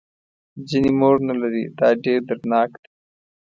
ځینې مور نه لري دا ډېر دردناک دی.